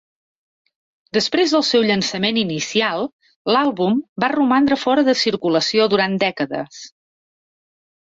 Després del seu llançament inicial, l'àlbum va romandre fora de circulació durant dècades.